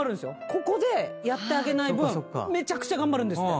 ここでやってあげない分めちゃくちゃ頑張るんですって。